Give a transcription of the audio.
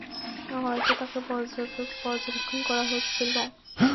হয়তো তাকে পর্যবেক্ষণ করা হচ্ছিল।